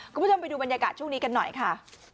คุณผู้ชมไปดูบรรยากาศช่วงนี้กันหน่อยค่ะ